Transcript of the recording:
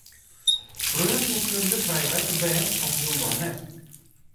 Freonen en kunde krije letter bern of hielendal net.